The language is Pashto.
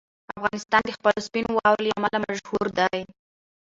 افغانستان د خپلو سپینو واورو له امله مشهور دی.